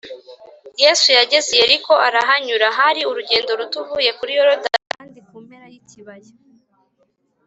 “yesu yageze i yeriko, arahanyura” hari urugendo ruto uvuye kuri yorodani, kandi ku mpera y’ikibaya